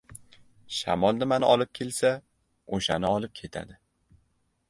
• Shamol nimani olib kelsa, o‘shani olib ketadi.